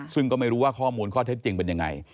ซึ่งก็ไม่รู้ว่าข้อมูลข้อเท็จจริงเป็นยังไง